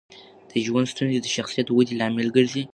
د ژوند ستونزې د شخصیت ودې لامل ګرځي.